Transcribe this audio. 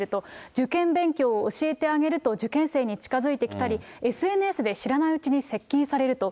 受験勉強を教えてあげると、受験生に近づいてきたり、ＳＮＳで知らないうちに接近されると。